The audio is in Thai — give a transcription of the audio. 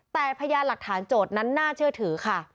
แต่พยานหลักฐานโจทย์นั้นน่าเชื่อถือค่ะ